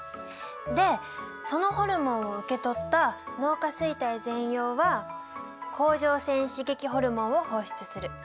でそのホルモンを受け取った脳下垂体前葉は甲状腺刺激ホルモンを放出する。